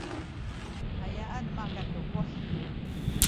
ayaan makatukuh?